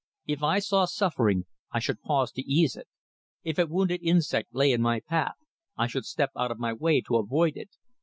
If I saw suffering, I should pause to ease it. If a wounded insect lay in my path, I should step out of my way to avoid it.